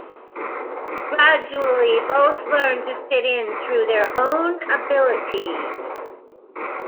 Gradually, both learn to fit in through their own abilities.